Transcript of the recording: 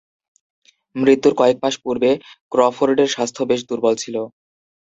মৃত্যুর কয়েক মাস পূর্বে ক্রফোর্ডের স্বাস্থ্য বেশ দূর্বল ছিল।